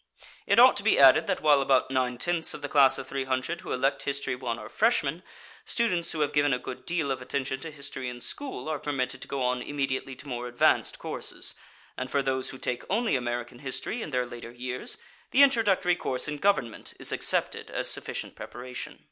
It ought to be added that while about nine tenths of the class of three hundred who elect History 1 are freshmen, students who have given a good deal of attention to history in school are permitted to go on immediately to more advanced courses; and for those who take only American history in their later years, the introductory course in government is accepted as sufficient preparation.